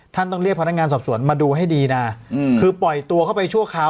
ต้องเรียกพนักงานสอบสวนมาดูให้ดีนะคือปล่อยตัวเข้าไปชั่วคราว